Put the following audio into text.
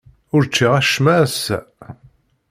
Ur ččiɣ acemma ass-a.